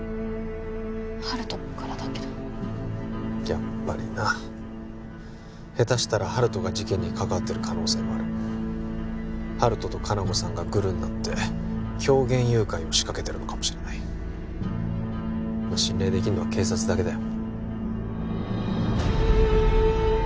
温人からだけどやっぱりなヘタしたら温人が事件に関わってる可能性もある温人と香菜子さんがグルになって狂言誘拐を仕掛けてるのかもしれない信頼できるのは警察だけだよ